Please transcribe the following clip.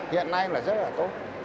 hiện nay là rất là tốt